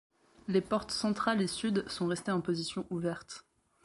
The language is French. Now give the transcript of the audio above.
Les portes centrales et Sud sont restées en position ouverte.